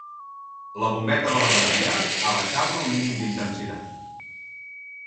La bombeta de la galeria, abaixar-la al mínim d'intensitat.